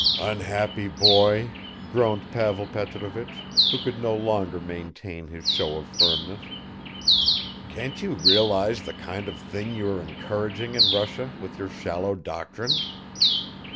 "Unhappy boy," groaned Pavel Petrovich, who could no longer maintain his show of firmness. "Can't you realize the kind of thing you are encouraging in Russia with your shallow doctrine!